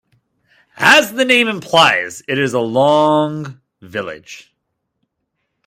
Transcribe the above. As the name implies it is a long village.